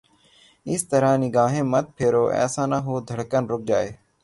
اس طرح نگاہیں مت پھیرو، ایسا نہ ہو دھڑکن رک جائے